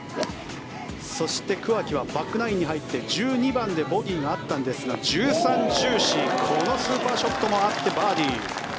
そして桑木はバックナインに入って１２番でボギーになったんですが１３、１４このスーパーショットもあってバーディー。